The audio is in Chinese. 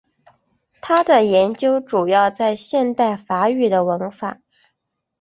他的研究主要在现代法语的文法。